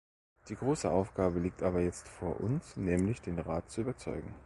Die große Aufgabe liegt aber jetzt vor uns, nämlich den Rat zu überzeugen.